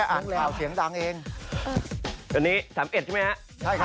อันนี้ทำเอ็ดใช่ไหมคะ